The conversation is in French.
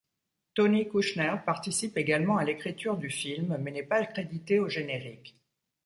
Tony Kushner participe également à l'écriture du film, mais n'est pas crédité au générique.